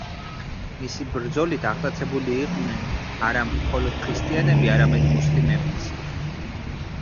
მისი ბრძოლით აღტაცებულები იყვნენ არა მხოლოდ ქრისტიანები, არამედ მუსლიმებიც.